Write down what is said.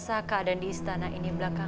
apa yang sangat penting adalah